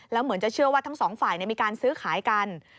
แล้วเหมือนจะเชื่อว่าทั้งสองฝ่ายมีการซื้อขายกัน